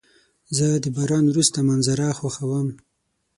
زه د باران وروسته منظره خوښوم.